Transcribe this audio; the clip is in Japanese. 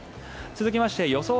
続きまして予想